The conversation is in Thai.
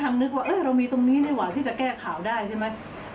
บางคนอ่ะโทรมานะแชทไม่พอนะโทรมาด่ารี่นี่